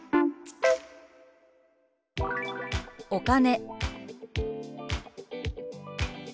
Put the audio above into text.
「お金」。